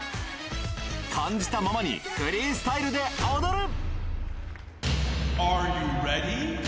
感じたままにフリースタイルで踊る。